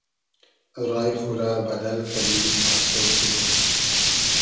رای خو رۂ بئدئل کئدی آسۉ سوبوگ